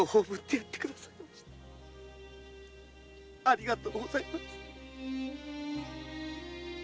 ありがとうございます。